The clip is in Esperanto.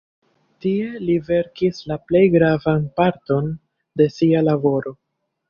Tie li verkis la plej gravan parton de sia laboro.